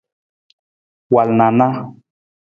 Wal na a na.